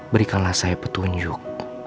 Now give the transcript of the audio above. berikanlah saya petunjuk